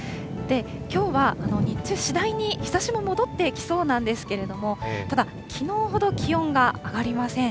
きょうは日中、次第に日ざしも戻ってきそうなんですけれども、ただ、きのうほど気温が上がりません。